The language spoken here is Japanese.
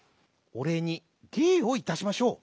おれいにげいをいたしましょう。